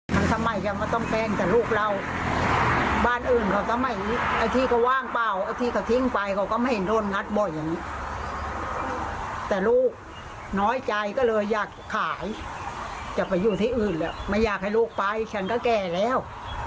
ที่เค้าทิ้งไปเค้าก็ไม่เห็นโดนงัดบ่อยอย่างนี้แต่ลูกน้อยใจก็เลยอยากขายจะไปอยู่ที่อื่นแหละไม่อยากให้ลูกไปฉันก็แก่แล้ว